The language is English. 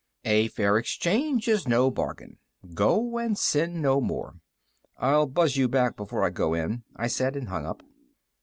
"A fair exchange is no bargain. Go, and sin no more." "I'll buzz you back before I go in," I said, and hung up.